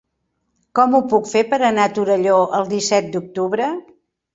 Com ho puc fer per anar a Torelló el disset d'octubre?